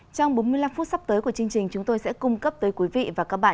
trong bốn mươi năm phút sắp tới của chương trình chúng tôi sẽ cung cấp tới quý vị và các bạn